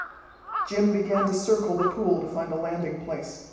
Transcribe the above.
Jim began to circle the pool to find a landing place.